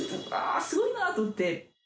すごいなと思って。